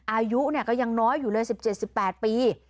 อายุก็ยังน้อยอยู่เลย๑๗๑๘ปี